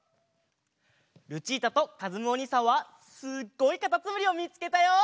ルチータとかずむおにいさんはすっごいかたつむりをみつけたよ。